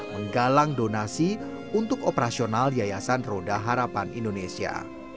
dan menggalang donasi untuk operasional yayasan roda harapan indonesia